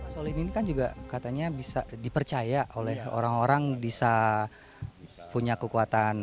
solin ini kan juga katanya bisa dipercaya oleh orang orang bisa punya kekuatan